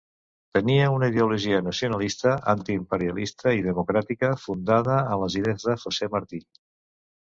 Tenia una ideologia nacionalista, antiimperialista i democràtica fundada en les idees de José Martí.